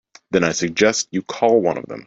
Then I suggest you call one of them.